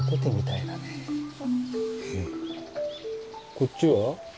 こっちは？